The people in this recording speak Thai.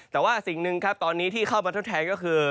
และอีกหนึ่งครับตอนนี้ที่เข้ามาทั่วแทนก็คือ